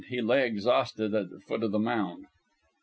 He lay exhausted at the foot of the mound.